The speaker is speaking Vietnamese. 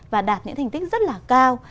và đạt những thành tích rất là cao